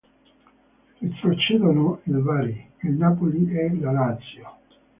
Retrocedono il Bari, il Napoli e la Lazio.